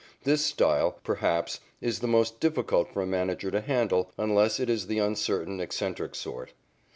This style, perhaps, is the most difficult for a manager to handle, unless it is the uncertain, eccentric sort.